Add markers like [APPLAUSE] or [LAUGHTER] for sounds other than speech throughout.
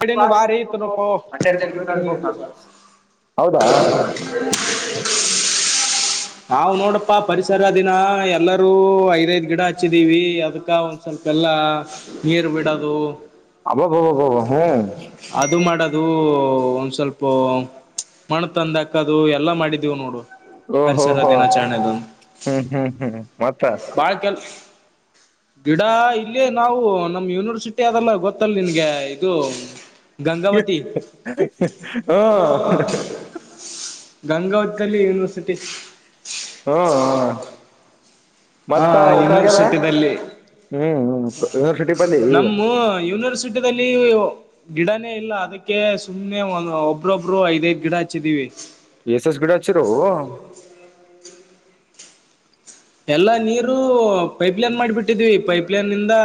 ಕಡೆ ಬಾರಿ ಇತ್ತು ನೋಪೋ [UNINTELLIGIBLE] ಹೌದಾ ನಾವು ನೋಡಪ್ಪಾ ಪರಿಸರ ದಿನ ಎಲ್ಲಾರ ರು ಐದೈದು ಗಿಡ ಹಚ್ಚಿದೀವಿ ಅದಕ್ಕೆ ಒಂದ ಸ್ವಲ್ಪ ಎಲ್ಲ ನೀರು ಬಿಡೋದು ಅಬ್ಬಬ ಹ್ಮ ಅದು ಮಾಡೋದು ಒಂದ ಸ್ವಲ್ಪು ಮಣ್ಣ ತಂದ ಹಾಕದು ಎಲ್ಲಾ ಮಾಡಿದೀವು ನೋಡು ಓ ಹೋ ಪರಿಸರ ಹೋ ದಿನಾಚರಣೆದಂದು ಹ್ಮ್ ಹ್ಮ್ ಹ್ಮ್ ಮತ್ತ ಬಾಳ ಕೆಲ್ಸಾ ಗಿಡ ಇಲ್ಲೆ ನಾವು ನಮ್ಮ ಯೂನಿವರ್ಸಿಟಿ ಮತ್ತ ಅದಲ್ಲ ಗೊತ್ತಲ್ ನಿನ್ಗೆ ಇದು ಗಂಗಾವತಿ ಹ್ಮ [INAUDIBLE] ಗಂಗಾವತಿಲ್ಲಿ ಯನಿವರ್ಸಿಟಿ ಹ್ಮ್ ಹ ಹಾ ಮತ್ತ ಊಟ ಆಗ್ಯದ ಯೂನಿವರ್ಸಿಟಿದಲ್ಲಿ ಹ್ಮ್ ಹ್ಮ ನಮ್ಮು ಯೂನಿವರ್ಸಿಟಿಲ್ಲಿ ಗಿಡನೇ ಇಲ್ಲ ಅದಕ್ಕೆ ಸುಮ್ನೆ ಒ ಒಬ್ರೊಬ್ರು ಐದ್ ಐದ್ ಗಿಡ ಹಚ್ಚಿದೀವಿ ಎಸ್ ಎಸ್ ಗಿಡ ಹಚ್ಚಿರೋ ಎಲ್ಲಾ ನೀರು ಪೈಪ್ ಲೈನ್ ಮಾಡಿಬಿಟ್ಟಿದ್ವಿ ಪೈಪ್ಲೈನ್ ಇಂದ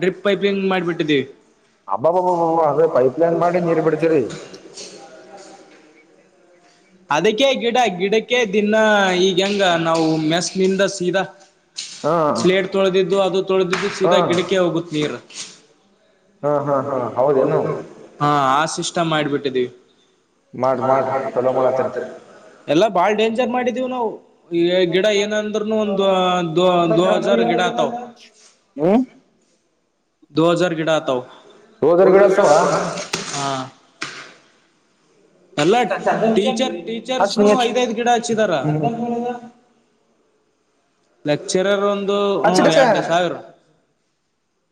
ಡ್ರಿಪ್ ಪೈಪ್ ಲೈನ್ ಮಾಡಿಬಿಟ್ಟಿದ್ವಿ ಅಬ್ಬಬ ಅದು ಪೈಪ್ ಲೈನ್ ಮಾಡಿ ನೀರು ಬಿಡತರಿ ಅದಕ್ಕೆೇ ಗಿಡ ಗಿಡಕ್ಕೆ ದಿನಾ ಈಗ ಹೆಂಗ ನಾವು ಮೆಸ್ನಿಂದ ಸೀದಾ ಹಾ ಪ್ಲೆಟ್ ತೊಳೆದಿದ್ದು ಅದು ತೊಳೆದಿದ್ದು ಹಾ ಸೀದಾ ಗಿಡಕ ಹೋಗುತ್ತ ನೀರ್ ಹಾ ಹೌದೇನ ಆ ಸಿಸಿಸ್ಟಮ ಮಾಡಿಬಿಟ್ಟಿದೀವಿ ಮಾಡ್ ಮಾಡ್ರಿ ಚಲೋ ಮಾಡತ್ತರಿ ಎಲ್ಲ ಬಾಳ್ ಡೇಂಜರ್ ಮಾಡಿದ್ದೀವು ನಾವು ಈ ಗಿಡ ಏನ ಅಂದ್ರನು ಒಂದ ದ ದೋ ಹಜಾರ್ ಗಿಡ ಆತಾವ ಹ್ಮ ದೊ ಹಜಾರ್ ಗಿಡ ಆತವ, ದೊ ರೋಜರ್ ಹಜಾರ ಗಿಡ ಹಚ್ಚವ ಆತವ ಅಲ್ಲಾಟೀಚರ್ ಹಚ್ಚ ಟೀಚರ್ಸ್ನು ನೀ ಹಚ್ಚ ಐದ್ ಐದ್ ಗಿಡ ಹಚ್ಚಿದಾರ. ಹ್ಮ್ ಲೆಕ್ಚರರ್ ಒಂದು ಹ್ಮ್ ಹಚ್ಚದಕ್ಕ ಎರಡ್ ಸಾವಿರ.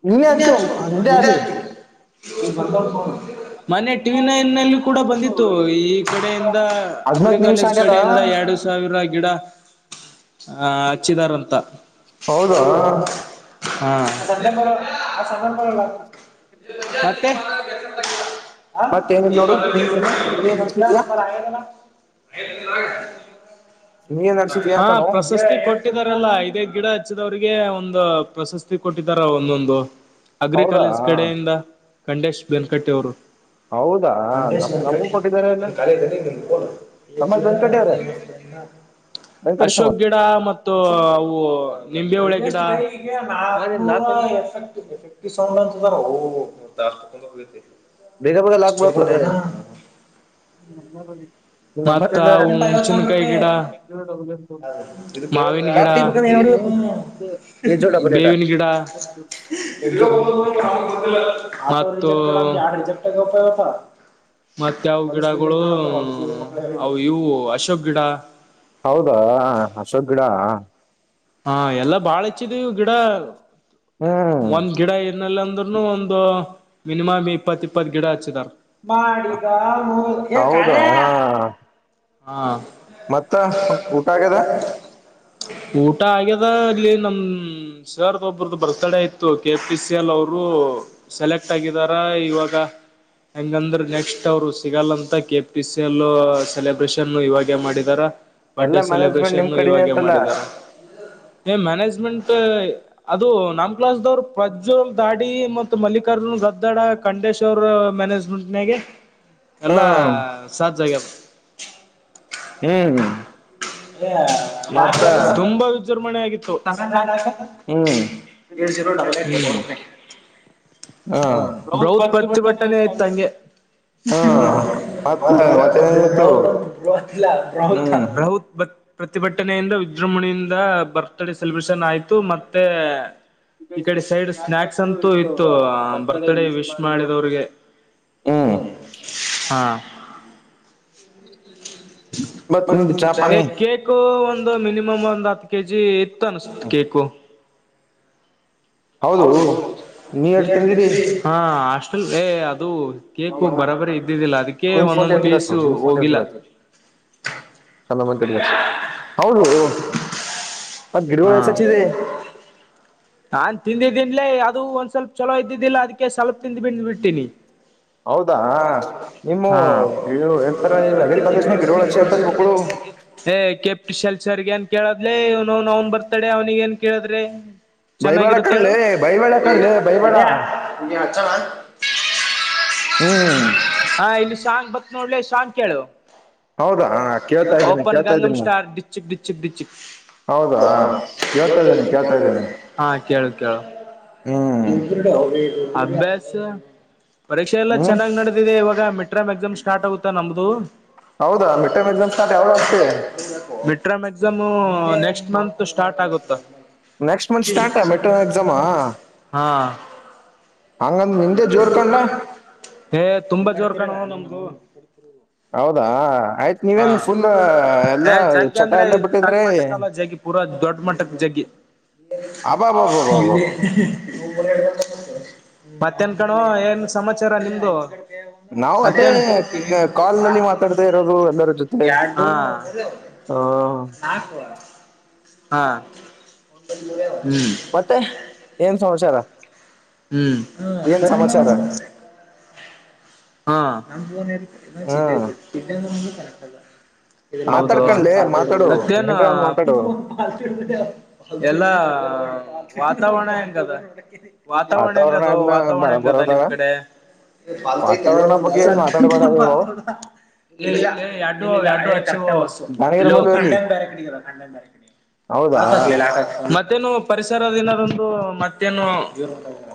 ನೀನೇ ಇನ್ ಹಚ್ಚು ಅಚ ನಿಂದೆ ಅಲ್ಲಿ ಅ [INAUDIBLE] ಮೊನ್ನೆ ಟಿವಿ ನೈನ್ ನಲ್ಲಿ ಕೂಡ ಬಂದಿತ್ತು. ಇತ್ತು ಈ ಕಡೆಯಿಂದ ಹದ್ನಾಕ್ ನಿಮಿಷ ಅಗ್ರಿಕಾಲೇಜ್ ಆಗ್ಯದ ಕಡೆಯಿಂದ ಎರಡು ಸಾವಿರ ಗಿಡ ಹಾ, ಹಚ್ಚಿದಾರ ಅಂತ ಹೌದು ಹೌದಾ ಸದ ಬರ ಆ ಸಾಮನ್ ಬರಲ್ಲ [UNINTELLIGIBLE] ಮತ್ತೆ ಹ [INAUDIBLE] ಮತ್ತೇನಿಲ್ಲ ಇಲ್ಲ ನೋಡು ನಿಂದಿನ್ನು ನೀನೇ ನಡ್ಸಿದ್ಯಾ ನಂಬರ ಆಯಲ್ಲ [UNINTELLIGIBLE] ನೀನೇ ನಡ್ಸಿದ್ಯಾ ಹಾ, ಕಣೋ ಪ್ರಶಸ್ತಿ ಕೊಟ್ಟ ಕೊಟ್ಟಿದಾರಲ್ಲಾ ಐದ -ಐದ ಗಿಡ ಹಚ್ಚಿದವ್ರರಿಗೆ ಒಂದು ಪ್ರಶಸ್ತಿ ಕೊಟ್ಟಿದಾರ ಒಂದೊಂದು. ಹೌದಾ ಅಗ್ರಿಕಾಲೇಜ್ ಕಡೆಯಿಂದ ಖಂಡೇಶ್ ಬೆನಕಟ್ಟೆವರು. ಹೌದಾ! ನ ನಿ ಕಾಲ ನಿ ಸಮಾಜ್ [INAUDIBLE] ವೆಂಕಟ ಸವತ್ [UNINTELLIGIBLE] ಕಡ ಮತ್ತು ಅವು ನಿಂಬೆ ಹಳಿ ಗಿಡ [UNINTELLIGIBLE] ಮಾದೇನ್ ನಾಕ್ನೂರ ಲಾಕ್ ಅಂದ ಎಫೆಕ್ಟ್ ಎಫೆಕ್ಟ್ ಸೌಂಡ್ ಅಂತದಾರ ತ ಭೇಗಾ ಭೇಗಾ ಲಾಗಬತ [UNINTELLIGIBLE] ಮತ್ತ ಹಣಚಿನ್ಕಾಯಿ ಗಿಡ ಹೌ [INAUDIBLE] ಇದು ಮಾವಿನಗಿಡ ಹೊಡಿಬೇಕು ಎಜ್ಜೋ ಡಬಲ್ ಏಟ ಬೇವಿನ ಗಿಡ ಎಜ್ಜೋ ಡಬಲ್ ಮತ್ತು [UNINTELLIGIBLE] ಜ ಉಪಾಯಪ ಮತ್ತೆ ಯಾವ ಗಿಡಗಳು ಅವು ಇವು ಅಶೋಕ್ ಗಿಡ. ಹೌದಾ, ಅಶೋಕ ಗಿಡಾ ಹಾ, ಎಲ್ಲಾ ಬಾಳ ಹೆಚ್ಚಿದ್ವಿ ಗಿಡ ಹ್ಮ್ ಒಂದ್ ಗಿಡ ಎನಿಲ್ಲ ಅಂದ್ರರುನು ಒಂದು ಮಿನಿಮಮ್ ಇಪ್ಪತ್ ಇಪ್ಪತ್ ಗಿಡ ಹಚ್ಚಿದಾರ. ಮಾಡಗ ಕಾಲ ಹೌದಾ ಹ [UNINTELLIGIBLE] ಮತ್ತ ಊಟ ಆಗದ. ಊಟ ಆಗ್ಯದ ಅಲ್ಲಿ ನಮ ಸರರ್ದು ಒಬ್ರ್ದ ಬರ್ತ್ಡೇ ಇತ್ತು ಕೆ ಪಿ ಸಿ ಎಲ್ ಅವರು ಸೆಲೆಕ್ಟ್ ಆಗಿದಾರ ಇವಾಗ ಹೆಂಗಂದ್ರ ನೆಕ್ಸ್ಟ್ ಅವರು ಸಿಗಲ್ಲಂತ ಕೆ ಪಿ ಸಿಲ್ ಸೆಲೆಬ್ರೇಷನ್ ಇವಾಗ ಮಾಡಿದಾರ. ಎಲ್ಲ ಬರ್ಡೇ ಮ್ಯಾನೇಜ್ಮೆಂಟ್ ನಿಮ್ ಸೆಲೆಬ್ರೇಷನ್ ಕಡೆನೇ ಇವಾಗೆ ಅಂತಲ್ಲ ಮಾಡಿದ್ದಾರೆ. ಏಯ್ಮ್ಯಾನೇಜ್ಮೆಂಟ್ ಅದು ನಮ ಕ್ಲಾಸದವರ್ದ ಪ್ರಜ್ ದಾಡಿ ಮತ್ ಮಲ್ಲಿಕಾರ್ಜುನ್ ಗದ್ದಾಡ ಖಂಡೇಶ್ ಅವರ ಮ್ಯಾನೇಜ್ಮೆಂಟ್ ನಾಗೆ. ಎಲ್ಲಾ ಹ್ಮ್ ಸಜ್ಜಾ ಗ್ಯದ. ಹ್ಮ್, ಹ್ಮ್ ಹ [INAUDIBLE] ಮತ್ತಾ ತುಂಬಾ ವಿಜೃಂಭಣೆ ಆಗಿತ್ತು. ಹ್ಮ್ [INAUDIBLE] ಹ, ಹ್ಮ್ ಬ್ರುಹತ ಪ್ರತಿಭಟನೆ ಇತ್ತು ಹಂಗೆ. ಹ ಹ್ಮ್ ಮತ್ತ ಮತ್ತೇನಿತ್ತು ಹ್ಮ್ ಬ ಬ [UNINTELLIGIBLE] ಪ್ರತಿಭಟನೆಯಿಂದ ವಿಜೃಂಭಣಿಯಿಂದ ಬರ್ತ್ ಡೇ ಸೆಲೆಬ್ರೇಷನ್ ಆಯ್ತು ಮತ್ತೆ ಈ ಕಡೆ ಸೈಡ್ ಸ್ನ್ಯಾಕ್ಸ್ ಅಂತೂ ಇತ್ತು ಬರ್ತ್ಡೇ ವಿಶ್ ಮಾಡಿದವ್ರಿಗೆ ಹ್ಮ್ ಹ್ಮ್ಮ್ [INAUDIBLE] ಹಾ [UNINTELLIGIBLE] ಮತ್ ಬಂತ್ ನಿಂದು ನಿನ್ನ ಚಾವಿ ಚಾಪಾನಿ ಹಾಕಿ [UNINTELLIGIBLE] ಕೇಕು ಒಂದುಮಿನಿಮಮ್ ಒಂದ್ ಹತ್ತು ಕೆ ಜಿ ಇತ್ತು ಅನಸ್ತತ್ ಕೇಕು ಹೌದು ನೀ ಇನ್ನು ಎಟ್ ಎಷ್ಟ ತಿಂದಿರಿ ದಿವಸರಿ ಹಾ ಹಾಸ್ಟೆಲ್ ಹಾ ಅದು ಕೇಕ ಬರಾಬರಿ ಇದ್ದಿದ್ದಿಲ್ಲ ಅದಕ್ಕೆ ನಿನ್ ಫೋನ್ ಒಂದೊಂದ್ ಪೀಸ ಹೋಗಿಲ್ಲ ಅಲ್ಲ ಮತ್ತ ಜಾಸ್ತಿ ಹೌದು [INAUDIBLE] ಮತ್ತ ಗಿಡಗೋಳ ಹಾ ಯದಕ್ಕ ಹಚ್ಚಿದ ನಾನ್ ತಿಂದಿದ್ದನ್ಲೇ ಅದು ಒಂದ್ ಸ್ವಲ್ಪ ಚೊಲೋ ಇದ್ದಿದ್ದಿಲ್ಲ ಅದಕ್ಕೆ ಸ್ವಲ್ಪ ತಿಂದ್ ಬಿಂದ್ ಬಿಟ್ಟೀನಿ ಹೌದಾ ಹಾ ನಿಮ್ಮವ ಎಂತರ ಅಗ್ರಿ ಕಾಲೇಜನಾಗ ಗಿಡಗಳೋ ಹಚ್ಚಿ ಎಂತಲು ಹೂವುಗವ ಎ ಕೆಪ್ ಶೆಲ್ಸ ಸರ್ ಗೆ ಏನ್ ಕೇಳದ್ಲಲೇ ಇವನ ಅವನ್ ಬರ್ತಡೆ ಅವ್ನಿಗೆ ಏನ್ ಕೇಳದ್ಲೇ ಬೈಬೇಡ ಚೆನ್ನಾಗಿರುತ್ತೆ ಹೇಳ ಕಣ್ಲೆ ಬೈಬೇಡ ಎ ಕಣ್ಲೆ ಬೈಬೇಡ ರವ್ಯಾ ಇದನ್ನ ಹಚ್ಚನಾ ಹ್ಮ್ [UNINTELLIGIBLE] ಹಾ ಇಲ್ಲಿ ಶಾಂಗ ಬತ್ ನೋಡ್ಲಿ ಶಾಂಗ್ ಕೇಳು ಹೌದಾ ಕೇಳ್ತಾ ಇದ್ದೀನಿ ಓಪನ್ ಕೇಳ್ತಾ ಗಂಗಮ್ಮ ಇದ್ದೀನಿ ಸ್ಟಾರ್ ಡಚಿಕ್ ಡಿಚಿಕ್ ಡಿಚಿಕ್ ಹೌದಾ ಕೇಳ್ತಾ ಇದ್ದೀನಿ ಕೆಳತಾಇದ್ದೀನಿ ಕೇಳ್ತಾ ಇದ್ದೀನಿ ಕೆಳತಾಇದ್ದೀನಿ ಹಾ ಕೇಳು ಕೇಳು ಹ್ಮ್ ಇದ್ದ ಬಿಡ್ ಅವಂಗ ಇದು ಇಲ್ಲಾ ಅಭ್ಯಾಸ ಪರೀಕ್ಷೆ ಎಲ್ಲ ಹ್ಮ್ ಚೆನ್ನಾಗಿ ನಡೆದಿದೆ ಇವಾಗ ಮಿಟ್ರಾಮ ಎಕ್ಸಾಮ್ ಸ್ಟಾರ್ ಆಗುತ್ತಾ ನಮ್ದು. ಹೌದಾ ಮಿಟ್ಟರಮ ಎಕ್ಸಾಮ್ ಸ್ಟಾರ್ಟ ಯಾವಾಗತ್ತೆ? [UNINTELLIGIBLE] ಬಿಟ್ಟ interim exam next month start ಆಗುತ್ತ ನೆಕ್ಸ್ಟ ಮಂತ್ ಸ್ಟಾರ್ಟ ಮಿಟ್ಟರಂ ಎಕ್ಸಾಮಾ ಹಾ ಹಂಗಂದ ನಿಂದೆ ಜೋರ್ ಕಂಡಲ ಏ ತುಂಬಾ ಜೋರ್ ಕಣ ನಮ್ದು [INAUDIBLE] ಹೌದಾ ಆಯ್ತ್ ಹಾ ನೀವೇನ್ ಫುಲ್ ಏ ಎಲ್ಲಾ ಜಗ್ಗ ಚಟ ಅಂದ್ರೆ ಎಲ್ಲ ಬಿಟ್ಟಿದ್ರೆ ತಕ್ ಮಟಕ್ಕಲ್ಲ ಜಗಿ ಪೂರಾ ದೊಡ್ಡ ಮಟ್ಟಕ್ಕ ಜಗ್ಗಿ ಅಬಾಬಾಬಾಬಾಬು [INAUDIBLE] ಮತ್ತೇನ್ ಕಣೋ ಏನ್ ಸಮಾಚಾರ ನಿಮ್ದು ನಾವು ಅದೇ ಅಕ್ಕನ್ನ್ ಕಾಲ್ ನಲ್ಲಿ ಮಾತಾಡದೇ ಇರೋದು [UNINTELLIGIBLE] ಯಾಡಾನಾ ಹಾ [INAUDIBLE] ಹಾ [INAUDIBLE] ಹ್ಮ್ ಮತ್ತೆ ಏನ್ ಸಮಾಚಾರ ಹ್ಮ್ ಏನ್ ಸಮಾಚಾರ [UNINTELLIGIBLE] ಹಾ ನನ್ನ ಫೋನ್ [UNINTELLIGIBLE] ಹ್ಮ್ ಕರೆಕ್ಟ್ ಇದ ಹೌದವಾ ಮಾತಾಡ್ಕಣ್ಲೆ ಮಾತಾಡು ಮತ್ತೇನ ಏನ್ರ ಒಂದ್ ಮಾತಾಡು [UNINTELLIGIBLE] ಎಲ್ಲಾ ವಾತಾವರಣ ಹೆಂಗ ಅದ ವಾತಾವರಣ ಹೆಂಗದು ಎಲ್ಲ ವಾತಾವರಣ ಬರ ಹೆಂಗದ ಬರೋದ ನಿಮ್ ಕಡೆ ಪಾಲಲ್ತ ವಾತಾವರಣ ಒಂದ ಯಾವದರ ಬಗ್ಗೆ ಏನ್ ಮಾತಾಡಬೇಡ ಸರ್ ನೀವು [UNINTELLIGIBLE] ಎಡ ಡುಚ್ಚು ದಾನಿಗರ ಹಲ್ಲೋ ಕಡೆ ಖಂಡ ಮದುವೆಯಲ್ಲಿ ಬೇರೆ ಕಡೆ ಹೌದಾ ಲಾಕ್ ಹಾಕ ಲೇ ಲಾಕ ಮತ್ತೇನು ಪರಿಸರ ದಿನದಂದು ಮತ್ತೇನು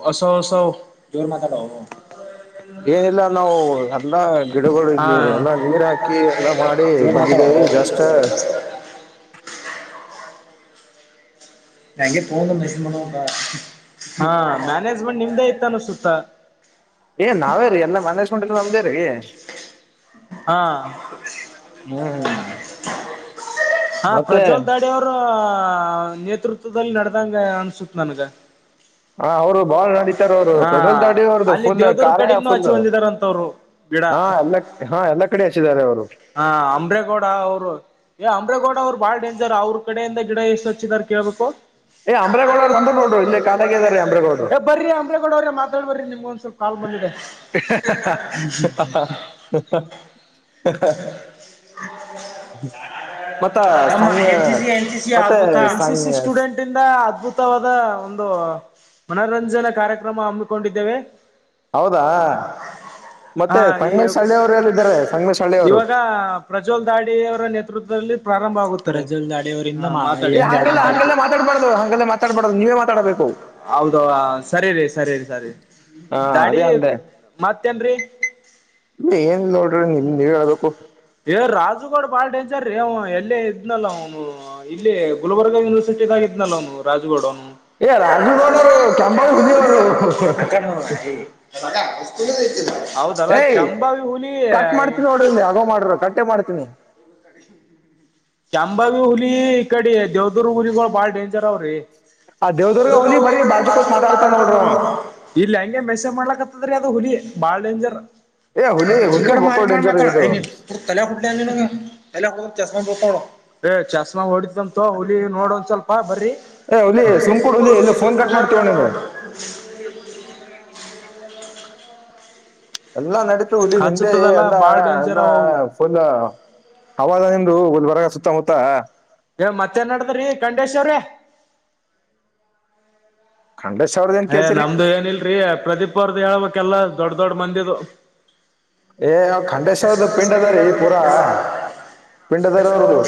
ಹೊಸ ಹೊಸವ ಏನ್ ಮಾತಾಡವ್ ಅವ ಏನಿಲ್ಲ ನಾವು ಅದ್ನ ಎಲ್ಲ ಹಾ ಗಿಡಗಳಿಗೆ ಎಲ್ಲ ನೀರ್ ಹಾಕಿ ಎಲ್ಲ ಮಾಡಿ ಜೋರ್ ಮಾತಾಡೋ ಬಂದಿದ್ದೇವಿ ಜಸ್ಟ್ ನಂಗೆ ಫೋನ್ ಮೆಸೇಜ್ ಮಾಡುಅವಾಗ್ ಮ್ಯಾನೇಜ್ಮೆಂಟ್ ನಿಮ್ದ ಇತ್ತ ಅನ್ನಸತ್ತ ಏ ನಾವೇ ರೀ ಎಲ್ಲಾ ಮ್ಯಾನೇಜ್ಮೆಂಟ್ದು ನಮ್ದ ರೀ ಹಾ [UNINTELLIGIBLE] ಹ್ಮ್ ಹಾ ಮತ್ತೆ ಪ್ರಜ್ವಲ್ ದಾಡ ನೇತೃತ್ವದಲ್ಲಿ ನಡೆ್ದಂಗ ಅನ್ಸುತ್ ನನ್ಗ ಹಾ ಅವ್ರು ಬಾಳ್ ನಡೀತಾರ ಅವ್ರು ಹಾ ಪ್ರಫಜ್ವಲ್ ದಾಡಿ ಅವರದು ಅಲ್ಲಿ ಫುಲ್ ದೇವ್ದೂರ್ ಕಾರ್ಯ ಆಪ್ತ ಕಡೆಗ್ನು ಫುಲ್ ಹಚ್ಚಿ ಬಂದಿದಾರಂತವ್ರು ಗಿಡ ಹಾ ಎಲ್ಲ ಹಾ ಎಲ್ಲ ಕಡೆ ಹಚ್ಚಿದ್ದಾರೆ ಅವ್ರು ಹ ಅಂಬ್ರೇಗೌಡ ಅವ್ರು ಏ ಅಂಬ್ರೇಗೌಡ ಅವ್ರು ಬಾಳ್ ಡೇಂಜರ್ ಅವ್ರ ಕಡೆಯಿಂದ ಗಿಡ ಎಷ್ಟು ಹಚ್ಚಿದಿದ್ದಾರೆ ಕೇಳ್ಬೇಕು ಏ ಅಮ್ರೇಗಡವರು ಬಂದ ನೋಡರು ಇಲ್ಲಿ ಕಾಲಾಗ ಇದಾರೆ ಅಮ್ರೇಗೌಡು ಏ ಬರ್ರಿ ಅಂದ್ರೇಗೌಡ ಅವ್ರಿ ಮಾತಾಡ್ ಬರ್ರಿ ನಿಮ್ಗ ಒಂದ್ಸಲ್ ಕಾಲ್ ಬಂದಿಿದೆ ಹ ಮತ್ತ ನಮ್ಮ ಸಂಗ ಎನ್ ಸಿ ಮತ್ತ ಸಂಗ ಿಂದ ಅದ್ಭುತವಾದ ಒಂದು ಮನರಂಜನಾ ಕಾರ್ಯಕ್ರಮ ಹಮ್ಮಿಕೊಂಡಿದ್ದೇವೆ ಹೌದಾ ಮತ್ತೆ ಹಾ ಈ ತಂಗ ಶಳ್ಳಿ ಇವಾಗ ಪ್ರಜ್ವಲ್ ದಾಡಿಿಯ ಅವ್ರು ನೇತೃತ್ವದಲ್ಲಿ ಪ್ರಾರಂಭ ಆಗುತ್ತೆ ಪ್ರಜ್ವಲ್ ದಾಡಿಿಯ ಅವ್ರು ಏ ಇ ಹಂಗೆಲ್ಲ ಹಂಗೆಲ್ಲ ಮಾತಾಡ್ಬಾರ್ದು ಹಾಗಂಗಲ್ಲ ಮಾತಾಡ್ಬಾರ್ದದು ನೀವೇ ಮಾತಾಡಬೇಕು ಅವು ಹೌದ ಸರಿ ರಿ ಸರಿ ರರಿ ಸರಿ ಹಾ ದಾಡಿ ಅದೇ ಅಂದೆ ಮತ್ತೇನ್ರಿ ಇಲ್ಲ ಏನ್ ನೋಡ್ರಿ ನಿಮ್ ದೇ ಹೇಳ್ಬೇಕು ಏ ರಾಜಜುಗೌಡ ಬಾಲ್ ೈನ್ ಸರ್ ್ ಎಲ್ಲೇ ಇದ್ನಲ್ಲ ಅವ ಇಲ್ಲಿ ಗುಲ್ಬರ್ಗ ಯೂನಿವರ್ಸಿಟಿ ಇದಾಗಿದನ ಅವ್ನು ರಾಜ್ಗೋಡ ಅವ್ನು ಏ ರಾಜಗಡರು ಕ್ಯಂಬಳ ಹುಲಿ ಅವ್ರು ಅ ವಸ್ು ಏಯ್ ಕಟ್ ಮಾಡ್ತೀನಿ ನೋಡ್ರಲ್ಲಿ ಆಗೋ ಮಾಡ್ರ ಕಟ್ಟೇ ಮಾಡ್ತೀನಿ ಚಂಬಾವಿ ಹುಲಿ ಈ ಕಡೆ ದೇವದುೂರ್ ಹುಲಿಗಳು ಬಾಳ ಡೇಂಜರ್ ಅವ್ರಿ ಆ ದೇವದುರ್ಗ ಅ ಹುಲಿ ಒ ಬರೀ ಬಾಜು ಭಾಷ ಕೂತ್ ಮಾತಾಡ್ತಾ ನೋಡ್ರಿ ಅವ ಮಾತಣ ಇಲ್ಲಿ ಹೆಂಗೆ ಮೆಸೇಜ್ ಮಾಡಲಾಕ್ತ್ತದ್ರೀ ಅದು ಹುಲಿ ಬಾಳ ಡೇಂಜರ್ ಏ ಹುಲಿ ಈ ಹುಲಿ ಕಡೆ ಬಕ್ಕೋ ಮಾರಿ ಮಾಡ ಡೇಂಜರ್ ಮಾತಾಳ ಇದು ತಲೆ ಹುಡ್ಲಿ ಅ ತಲೆ ಹ ಚಸ್ಮಾ ಏ ಚಸ್ನಾಗ ಹೊಓಡಿದಂತ ಹುಲಿ ನೋಡ ಒಂದ್ ಸ್ವಲ್ಪ ಬ್ರರಿ ಏ ಹುಲಿ ಸುಮ್ಕೂಡ್ ಹುಲಿ ಹೂ ಇಲ್ಲ ಫೋನ್ ಕಟ್ ಮಾಡ್ತೀವ ನಿಂದು ಎಲ್ಲಾ ನಡೀತು ಹುಲಿ ನಿಂದೆ ಹಚ್ಚತದಲ್ಲ ಎಲ್ಲ ಬಾಳ ಎಲ್ಲ ಡೇಂಜರ್ ಅವ ಅವು ಒಂದು ಅವಾದ ನಿು ಒಲ್ ಬರಗ ಸುತ್ತಮುತ್ತ ಏ ಮತ್ತತ್ೇನ್ ನಡದ್ರೀ ಖಂಡೇಶ್ ಅವ್ರೀ ಂಡೇಶ್ ಅವ್ರ ಏ ನಮ್ದು ಏನಿಲ್ರೀ ಪ್ರದೀಪ್ ಅವ್ರ್ದ ಹೇಳ್ಬೇಕೆಲ್ಲಾ ದೊಡ್ ದೊಡ್ ಮಂದಿದು [INAUDIBLE] ಏ ಅವ್ ಖಂಡೇಶ್ ಅವ್ರದ್ದು ಪಿಂಡ್ ಅದಾರಿ ಪೂರಾ ಪಿಂಡ್ ಅದಾರ ಅವ್ರದ್ದು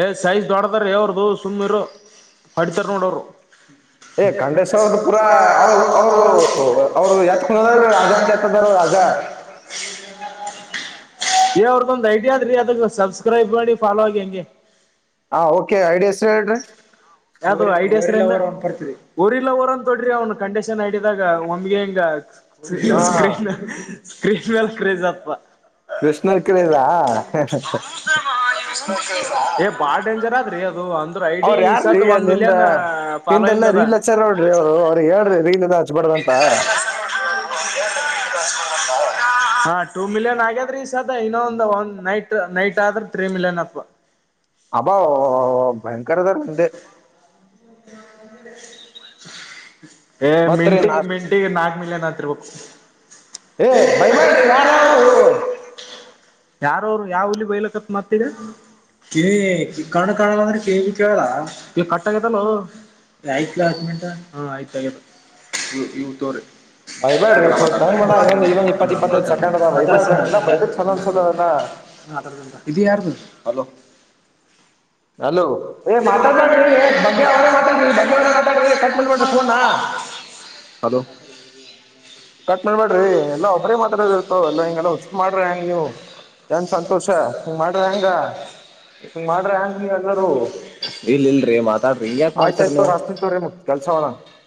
ಏ್ ಸೈಜ್ ದೊಡ್ಡದಾರ ಯವ್ರದು ಸುಮ್ಮ ಇರು ಪಡಿತಾರ ನೋಡೋರು ಏ ಂಡೇಶ್ವ ಅವ್ದ ಪೂರ ಅವ ಅವ್ರು ಅವ್ರು ಯತ್ ಕುದ ರಾಜಾಂಟ ದರ ರಾಜಾ ಅವ್ರಗೊಂದ್ ಐಡಿಯ ಅದ್ರಿ ಅದಕ್ಕೆ ಸಬ್ಸ್ಕ್ರೈಬ್ ಮಾಡಿ ಫಾಲೋ ಆಗಿ ಹೆಂಗೆ ಹಾ ಓಕೆ ಐಡಿಯಾಷ್ಟ ಹೇಳ್ರಿ ಯಾವ್ದ ಐಡ ಊರಿಲ್ಲ ಊರ್ ಅಂತ ತೊಡ್ರಿ ಅವ್ನು ಕಂಡೀಷನ್ ಆಐಡಿದಾಗ ಒಮ್ಗೆ ಹಿಂಗ ಹಾ ಸ್ಕ್ರೀನ್ ಮ ಸ್ಕ್ರೀನ್ ಮೇಲೆ ಕ್ರೇಜ್ ಅಪ್ಪ ಕೃಷ್ಣ ಕ್ರದಾ ಏ ಬಾಳ ಡೇಂಜರ್ ಆದ್ರಿ ಅದು ಅಂದ್ರೆ ಐಡಿ ೀ ಸದ್ ಒಂದ್ ನಿಂದ ಮಿಲಿಯನ್ ನಿೆಲ್ಲಾ ಫಾಲೋಯಿಂಗ್ ಅದ ರೀಲ್ ಹಚ್ಚಾರ ನೋಡ್ರಿ ಅವ್ರು ಅವ್ರಿಗೆ ಹೇಳ್ರಿ ರೀಲ್ ಹಚ್ಬಡ್ರ ಅಂತ [INAUDIBLE] ಹ ಹ [UNINTELLIGIBLE] ಹಾ, ಟೂ ಮಿಲಿಯನ್ ಆಗ್ಯಾದ್ರಿ ಈ ಸದ ಇನ್ನೊಂದ ಒಂದ್ ನೈಟ್ ನೈಟ್ ಆದ್ರೆ ತ್ರ್ರೀ ಮಿಲಿಯನ್ ಅಪ್ಪ. ಅಬಾ ಭಯಂಕರಧರಂದ [UNINTELLIGIBLE] ಹ್ಮ [INAUDIBLE] ಏ ಮತ್ರಿ ಮೆಂಟಿ ನಾಸ್ ಮೆಂಟಿಗೆ ನಾಕ್ ಮಿಲ್ ಆಗ್ತೀರರ್ಬೇಕು. ಏ ಬಯ ಮಾಡೇಡ್ರಿ ಯಾರ ಅವರು [UNINTELLIGIBLE] ಯಾರವರು ಯಾವ ಹುಲಿ ಬಯಲಕತ್ ಮಾತ ಈಗ. ಕಣ್ಣು ಕಾಣಲ್ಲ ಅಂದ್ರೆ ಕಿವಿನು ಕೇಳಲ್ಲ ಇ ಕಟ್ಟಾಗದಿಲ್ಲೊ. ಆಯ್ಲಾ ಹ ಮಂಟ ಹ ಆಯ್ತ [UNINTELLIGIBLE] ಇ ಇವು ತೋ್ರ [INAUDIBLE] [INAUDIBLE] ಬೈಬ್ಯಾಡ್ರಿ ಸ್ವಲ್ಪ ಟೈಮ್ ಅದ ಇನ್ನೊಂದು ಇನ್ನೊಂದ್ ಇಪ್ಪತ್ ಇಪ್ಪತ್ತೈದು ಸೆಕೆಂಡ್ ಅದ ಬೈಬ್ಯಾಡ್ರಿ ಹಂಗಿಲ್ಲ ಬೈದ್ರೆ ಚಂದ ಅನ್ಸಲ್ಲ ಅವೆಲ್ಲ ಇದ ಯಾರ್ದು ಅಲೋ, ಏಯ್ ಮಾತ್ಹಾಡಬೇಡ್ರಿ ಬಗ್ಗೆ ಅವರೇ ಮಾತಾಡ್ರಿ, ಬಗ್ಗೆ ಅವರೇ ಮಾತಾಡ್ರಿ ಕಟ್ಮಾಡಬೇಡ್ರಿ. ಮಾಡ್ರಿ ಫೋನ್ ಅಲೋ, ಕಟ್ ಮಾಡ್ಬೇಡ್ರಿ ಎಲ್ಲ ಒಬ್ಬರೇ ಮಾತಾಡದಿರ್ತೋ ಎಲ್ಲಾ ಹೆಂಗೆಲ್ಲ ಹುಚ್ಚು ಮಾತ್ ಮಾಡ್ರಿ ಹೆಂಗ ನೀವು. ಏನ್ ಸಂತೋಷ ಹಂಗ ಮಾಡ್ರಿ ಹೆಂಗ ಹಿಂಗ್ ಮಾಡ್ರಿ ಹೆಂಗ್ ನೀವ್ ಎಲ್ಲರೂ ಇಲ್ ಇಲ್ರಿ ಮಾತಾಡ್ರಿ ಹಿಂಗ ಯಾಕ ಮಾಡ್ತರಿ ನೀವು. ಕೆಸೋಣ [UNINTELLIGIBLE]